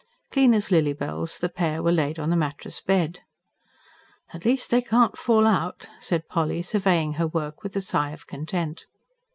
Clean as lily bells, the pair were laid on the mattress bed. "At least they can't fall out," said Polly, surveying her work with a sigh of content.